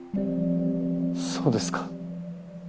そうですか。